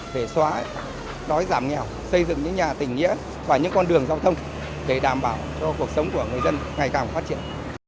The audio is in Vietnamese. để xóa đói giảm nghèo xây dựng những nhà tỉnh nghĩa và những con đường giao thông để đảm bảo cho cuộc sống của người dân ngày càng phát triển